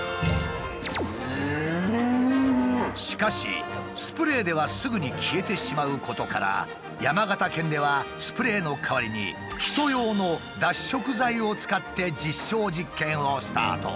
しかしスプレーではすぐに消えてしまうことから山形県ではスプレーの代わりに人用の脱色剤を使って実証実験をスタート。